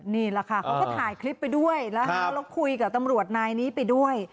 นี่แหละค่ะเขาก็ถ่ายคลิปไปด้วยแล้วคุยกับตำรวจนายนี้ไปด้วย